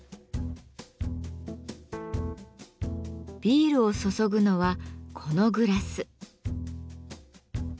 ビールを注ぐのはこのグラス。